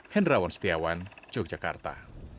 henrawan setiawan yogyakarta